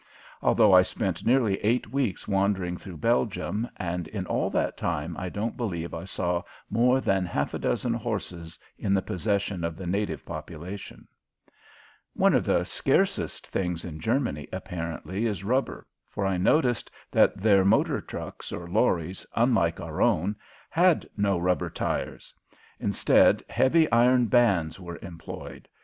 Altogether I spent nearly eight weeks wandering through Belgium and in all that time I don't believe I saw more than half a dozen horses in the possession of the native population. One of the scarcest things in Germany, apparently, is rubber, for I noticed that their motor trucks, or lorries, unlike our own, had no rubber tires. Instead, heavy iron bands were employed.